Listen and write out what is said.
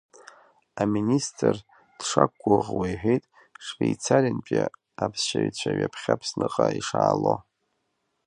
Аминистр дшақәгәыӷуа иҳәеит Швеицариантәи аԥсшьаҩцәа ҩаԥхьа Аԥсныҟа ишаало.